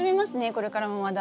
これからもまだ。